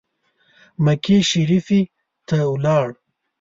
مکې شریفي ته ولاړ.